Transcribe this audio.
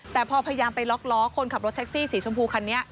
แต่พอพยายามไปล็อกล้อคนขับรถแท็กซี่สีชมพูคันนี้